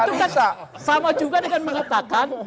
itu kan sama juga dengan mengatakan